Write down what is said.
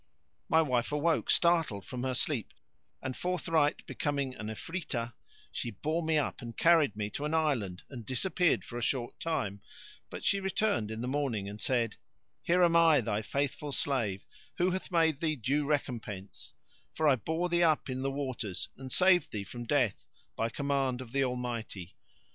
My wife awoke startled from her sleep and, forthright becoming an Ifritah,[FN#57] she bore me up and carried me to an island and disappeared for a short time; but she returned in the morning and said, "Here am I, thy faithful slave, who hath made thee due recompense; for I bore thee up in the waters and saved thee from death by command of the Almighty.